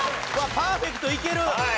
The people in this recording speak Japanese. パーフェクトいける！